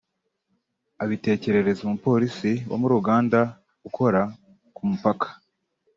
abitekerereza umupolisi wo muri Uganda ukora ku mupaka